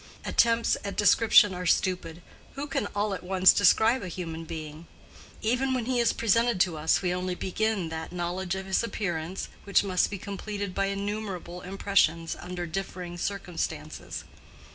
Attempts at description are stupid: who can all at once describe a human being? Even when he is presented to us we only begin that knowledge of his appearance which must be completed by innumerable impressions under differing circumstances.